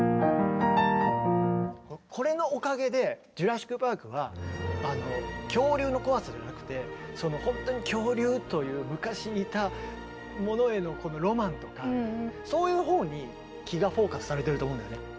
これのおかげで「ジュラシック・パーク」は恐竜の怖さじゃなくて本当に恐竜という昔いたものへのロマンとかそういうほうに気がフォーカスされてると思うんだよね。